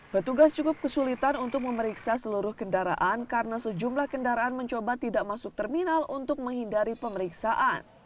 petugas cukup kesulitan untuk memeriksa seluruh kendaraan karena sejumlah kendaraan mencoba tidak masuk terminal untuk menghindari pemeriksaan